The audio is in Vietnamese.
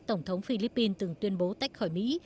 tổng thống philippines từng tuyên bố tách khỏi mỹ